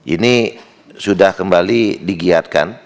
ini sudah kembali digiatkan